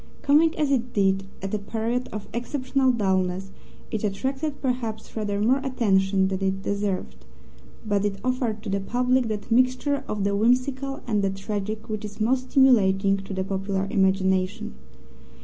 Coming as it did at a period of exceptional dullness, it attracted perhaps rather more attention than it deserved, but it offered to the public that mixture of the whimsical and the tragic which is most stimulating to the popular imagination.